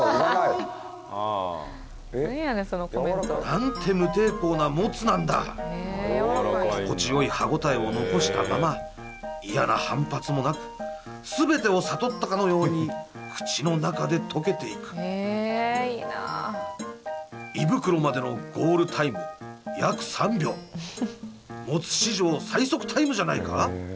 何て無抵抗なもつなんだ心地よい歯応えを残したまま嫌な反発もなく全てを悟ったかのように口の中で溶けていく胃袋までのゴールタイム約３秒もつ史上最速タイムじゃないか？